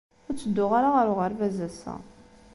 Ur ttedduɣ ara ɣer uɣerbaz ass-a!